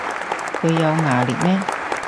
佢有牙力咩